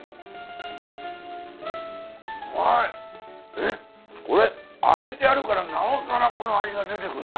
えっこれ揚げてあるからなおさらこの味が出てくんだ。